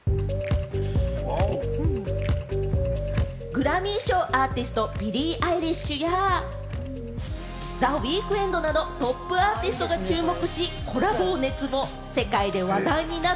グラミー賞アーティスト、ビリー・アイリッシュやザ・ウィークエンドなどトップアーティストが注目し、コラボを熱望。